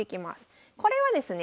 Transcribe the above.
これはですね